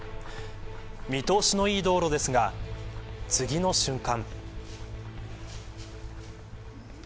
見通しのいい道路ですが次の瞬間。